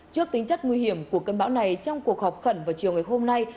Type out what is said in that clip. trước tính chất nguy hiểm của cơn bão này trong cuộc họp khẩn vào chiều ngày hôm nay